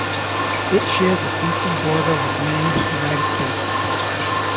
It shares its eastern border with Maine, United States.